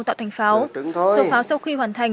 tạo thành pháo số pháo sau khi hoàn thành